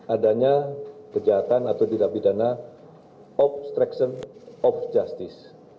adanya kejahatan atau tindak bidana obstruction of justice